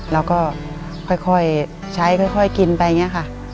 เราก็ค่อยใช้ค่อยกินไปอย่างนี้ค่ะ